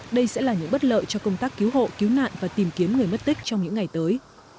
đây sẽ là những bất lợi cho công tác cứu hộ cứu nạn và tìm kiếm người mất tích trong những ngày tới